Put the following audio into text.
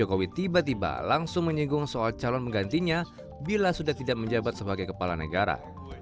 jokowi tiba tiba langsung menyinggung soal calon menggantinya bila sudah tidak menjabat sebagai kepala negara